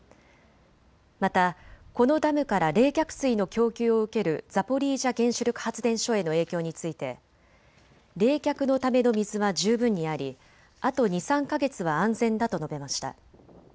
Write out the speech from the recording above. またこのダムから冷却水の供給を受けるザポリージャ原子力発電所への影響について冷却のための水は十分にありあと２、３か月は安全だと述べました。